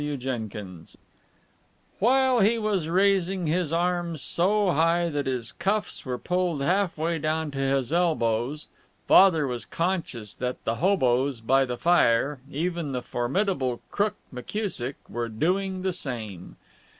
CHAPTER XV While he was raising his arms so high that his cuffs were pulled half way down to his elbows, Father was conscious that the hoboes by the fire, even the formidable Crook McKusick, were doing the same.